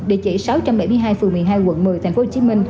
địa chỉ sáu trăm bảy mươi hai phường một mươi hai quận một mươi tp hcm